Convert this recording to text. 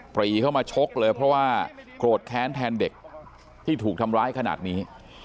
ปรีเข้ามาชกเลยเพราะว่าโกรธแค้นแทนเด็กที่ถูกทำร้ายขนาดนี้